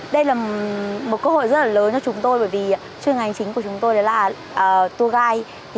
đây là một cơ hội rất là lớn cho chúng tôi bởi vì chuyên ngành chính của chúng tôi là tour guide